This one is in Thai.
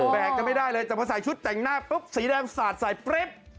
แกไม่ได้เลยแต่พอใส่ชุดแต่งหน้าปุ๊บสีแดงสาดใส่ปริ๊บ